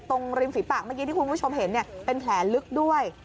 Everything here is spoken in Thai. ตรงริมฝีปากเมื่อกี้ที่คุณผู้ชมเห็นเป็นแผลลึกด้วย